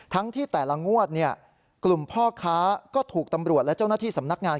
ที่แต่ละงวดกลุ่มพ่อค้าก็ถูกตำรวจและเจ้าหน้าที่สำนักงาน